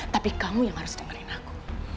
tapi kamu yang harus dengerin aku